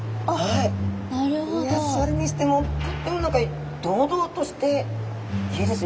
いやそれにしてもとっても堂々としていいですね。